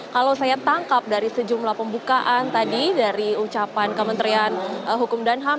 kalau saya tangkap dari sejumlah pembukaan tadi dari ucapan kementerian hukum dan ham